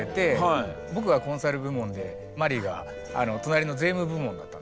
僕がコンサル部門でマリが隣の税務部門だったんですよね。